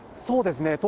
そうですね。